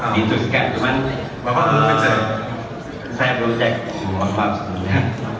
di intruskan cuman bapak belum kecek saya belum kecek maaf maaf sebenarnya